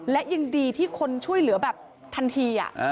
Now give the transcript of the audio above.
และยังดีที่คนช่วยเหลือแบบทันที